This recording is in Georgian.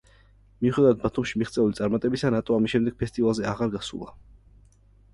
მიუხედავად ბათუმში მიღწეული წარმატებისა ნატო ამის შემდეგ ფესტივალზე აღარ გასულა.